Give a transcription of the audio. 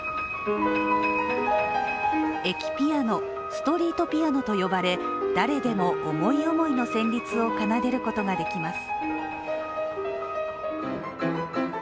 駅ピアノ、ストリートピアノと呼ばれ、誰でも思い思いの旋律を奏でることができます